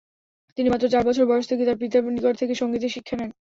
তিনি মাত্র চার বছর বয়স থেকেই তার পিতার নিকট থেকে সঙ্গীতের শিক্ষা নেন।